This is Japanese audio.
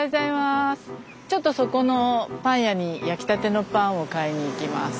ちょっとそこのパン屋に焼きたてのパンを買いに行きます。